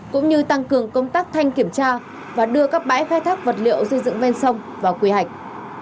cũng như tăng cường công tác thanh kiểm tra và đưa các bãi khai thác vật liệu xây dựng ven sông vào quy hoạch